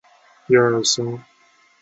白栎为壳斗科栎属的植物。